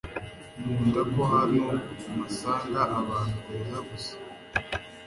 Nkunda ko hano masanga abantu beza gusa .